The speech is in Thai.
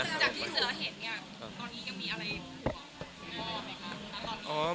ตอนนี้มีอะไรตัวมั้ยมาเท่านั้น